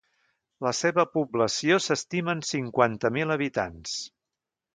La seva població s'estima en cinquanta mil habitants.